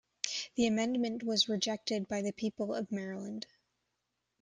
The Amendment was rejected by the people of Maryland.